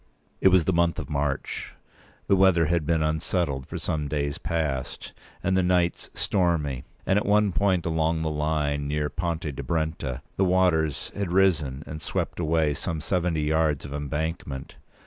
It was in the month of March. The weather had been unsettled for some days past, and the nights stormy; and at one point along the p. 211line, near Ponte di Brenta, the waters had risen and swept away some seventy yards of embankment.